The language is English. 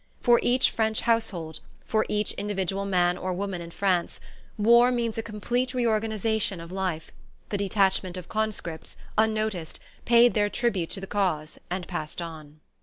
For each French household, for each individual man or woman in France, war means a complete reorganization of life. The detachment of conscripts, unnoticed, paid their tribute to the Cause and passed on...